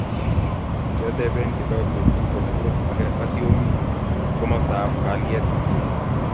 kioteben kitook betut komugul age asiomii komostab kalyet kityo